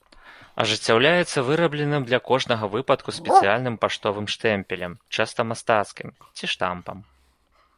Ажыццяўляецца вырабленым для кожнага выпадку спецыяльным паштовым штэмпелем, часта мастацкім, ці штампам.